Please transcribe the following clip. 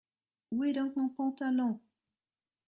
Où est donc mon pantalon ?…